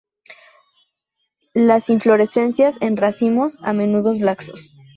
Las inflorescencias en racimos a menudo laxos.